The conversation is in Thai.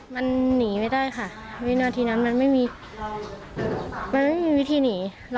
มันหนีไม่ได้ค่ะวินาทีนั้นมันไม่มีมันไม่มีวิธีหนี